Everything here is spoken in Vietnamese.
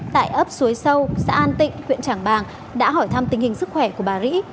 tại ấp suối sâu xã an tịnh huyện trảng bàng đã hỏi thăm tình hình sức khỏe của bà rễ